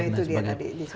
nah itu dia tadi